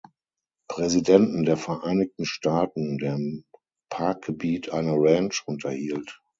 Präsidenten der Vereinigten Staaten, der im Parkgebiet eine Ranch unterhielt.